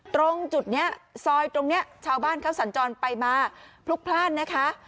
ตรงจุดนี้ซอยตรงนี้ชาวบ้านเขาสัญจรไปมาพลุกพลาดนะคะ